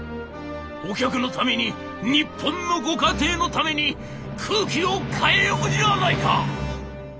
お客のために日本のご家庭のために空気をかえようじゃないか！」。